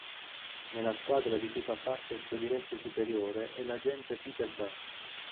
Nella squadra di cui fa parte il suo diretto superiore è l'agente Peter Burke.